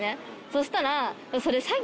そしたら。